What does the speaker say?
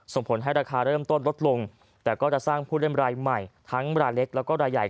ส่งผลให้ราคาเริ่มต้นลดลงแต่ก็จะสร้างผู้เล่นรายใหม่ทั้งรายเล็กแล้วก็รายใหญ่